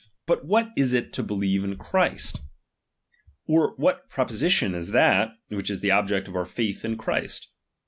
, But what is it to believe in Christ ? Or what pro position is that, which is the object of our faith in Christ